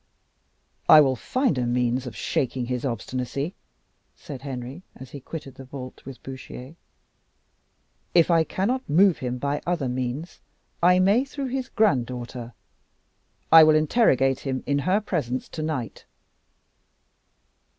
"I will find a means of shaking his obstinacy," said Henry, as he quitted the vault with Bouchier. "If I cannot move him by other means, I may through his granddaughter I will interrogate him in her presence to night."